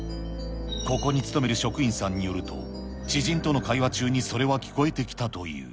ここに勤める職員さんによると、知人との会話中にそれは聞こえてきたという。